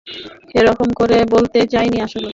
ওরকম করে বলতে চাইনি আসলে!